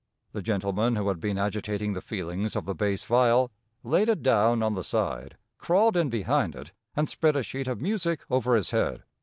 The gentleman who had been agitating the feelings of the bass viol laid it down on the side, crawled in behind it, and spread a sheet of music over his head.